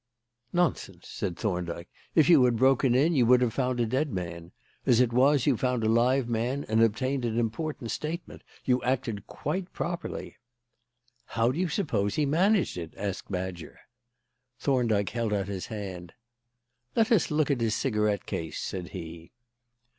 "Nonsense," said Thorndyke. "If you had broken in, you would have found a dead man. As it was you found a live man and obtained an important statement. You acted quite properly." "How do you suppose he managed it?" asked Badger. Thorndyke held out his hand. "Let us look at his cigarette case," said he.